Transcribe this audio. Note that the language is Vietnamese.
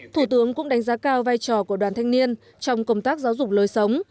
thủ tướng cũng đánh giá cao vai trò của đoàn thanh niên trong công tác giáo dục lối sống